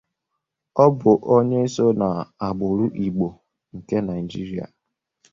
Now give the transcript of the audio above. Ọ bụ onye so na agbụrụ Igbo nke Nigeria.